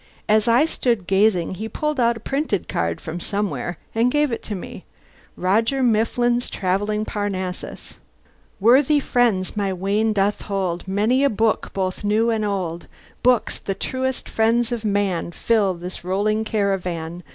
As I stood gazing, he pulled out a printed card from somewhere and gave it to me: ROGER MIFFLIN'S TRAVELLING PARNASSUS Worthy friends, my wain doth hold Many a book, both new and old; Books, the truest friends of man, Fill this rolling caravan.